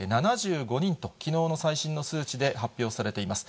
７５人と、きのうの最新の数値で発表されています。